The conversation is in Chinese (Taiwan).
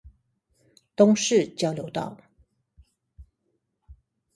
東勢交流道